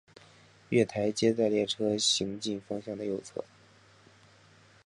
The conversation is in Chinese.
月台皆在列车行进方面的右侧。